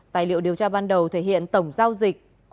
tài liệu điều tra ban đầu thể hiện tổng giao dịch